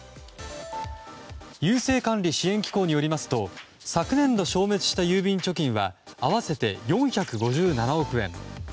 郵政管理支援機構によりますと昨年度、消滅した郵便貯金は合わせて４５７億円。